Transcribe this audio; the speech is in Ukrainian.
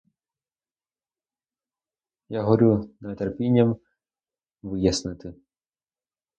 Я горю нетерпінням вияснити.